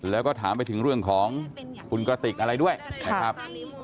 แล้วก็ถามไปถึงเรื่องของคุณกระติกอะไรด้วยนะครับ